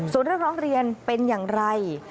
ส่วนเรื่องร้องเรียนเป็นอย่างไร